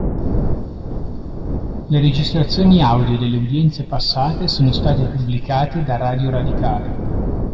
Le registrazioni audio delle udienze passate sono state pubblicate da Radio Radicale.